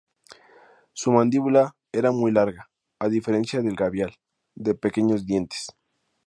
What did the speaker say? Su mandíbula era muy larga, a diferencia del gavial, de pequeños dientes.